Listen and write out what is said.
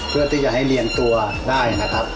เพื่อที่จะให้เรียนตัวได้นะครับ